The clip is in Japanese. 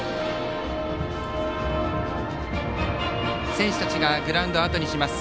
選手たちがグラウンドを後にします。